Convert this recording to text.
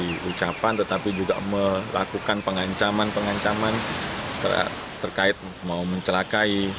mencari ucapan tetapi juga melakukan pengancaman pengancaman terkait mau mencelakai